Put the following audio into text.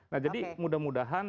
nah jadi mudah mudahan